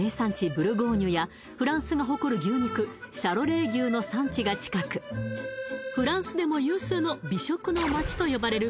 ブルゴーニュやフランスが誇る牛肉シャロレー牛の産地が近くフランスでも有数の美食の街と呼ばれる